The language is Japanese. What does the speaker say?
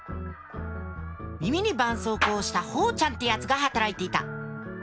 耳にばんそうこうをしたほーちゃんってやつが働いていた。